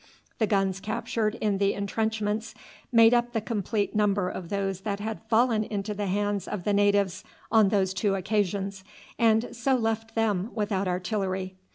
The guns captured in the intrenchments made up the complete number of those that had fallen into the hands of the natives on those two occasions, and so left them without artillery.